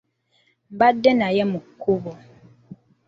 Ndaba oyo ye omu ku bo.